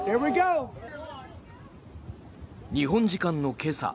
日本時間の今朝